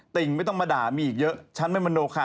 ติ่งไม่ต้องมาด่ามีอีกเยอะฉันไม่มโนค่ะ